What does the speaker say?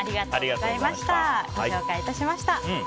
ご紹介致しました。